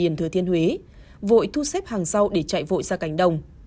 điền thừa thiên huế vội thu xếp hàng rau để chạy vội ra cánh đồng